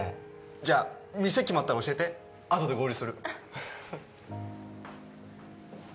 じゃあ店決まったら教えてあとで合流する。